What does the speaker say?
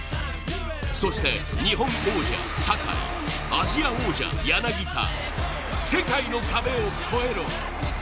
そして日本王者・坂井、アジア王者・柳田、世界の壁を越えろ。